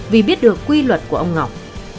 vì biết được quy luật của ông ngọc